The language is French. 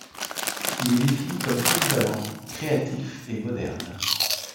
Il est défini comme polyvalent, créatif et moderne.